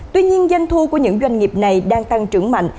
tuy nhiên doanh thu của những doanh nghiệp này đang tăng trưởng mạnh